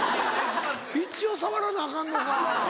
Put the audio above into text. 一応触らなアカンのか。